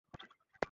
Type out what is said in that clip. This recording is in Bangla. Six, please.